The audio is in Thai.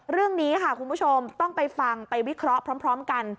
เรื่องนี้ค่ะคุณผู้ชมต้องไปฟังไปวิเคราะห์พร้อมกัน